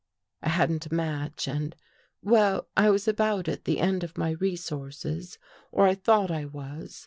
I hadn't a match and — well, I was about at the end of my resources, or I thought I was.